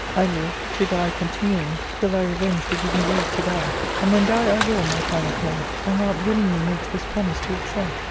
I live, to die continually, till thy revenge do give me leave to die ; and then die I will, my Philoclea ; my heart willingly makes this promise to itself.